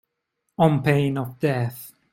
On pain of death.